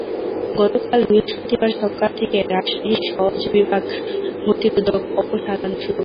গতকাল বৃহস্পতিবার সকাল থেকে রাজশাহীর সওজ বিভাগ গতিরোধক অপসারণ শুরু করে।